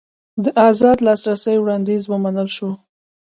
د ازاد لاسرسي وړاندیز ومنل شو.